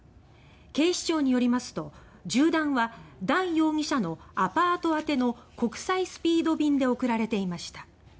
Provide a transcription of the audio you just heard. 警視庁によりますと銃弾はダン容疑者のアパート宛ての国際スピード便で送られていました。